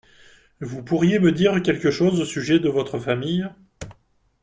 Vous pourriez me dire quelque chose au sujet de votre famille ?